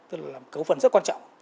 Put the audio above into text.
tức là cấu phần rất quan trọng